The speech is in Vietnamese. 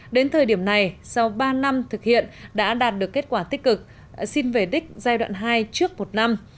đến thời điểm này sau ba năm thực hiện đã đạt được kết quả tích cực xin về đích giai đoạn hai trước một năm